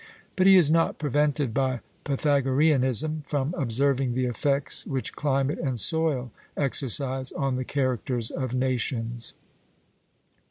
But he is not prevented by Pythagoreanism from observing the effects which climate and soil exercise on the characters of nations.